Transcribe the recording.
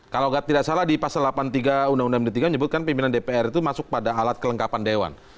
kalau tidak salah di pasal delapan puluh tiga undang undang md tiga menyebutkan pimpinan dpr itu masuk pada alat kelengkapan dewan